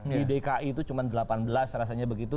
di dki itu cuma delapan belas rasanya begitu